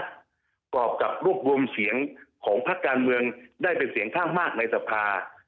ประกอบกับรวบรวมเสียงของพักการเมืองได้เป็นเสียงข้างมากในสภา